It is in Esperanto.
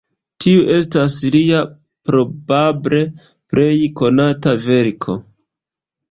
Tiu estas lia probable plej konata verko.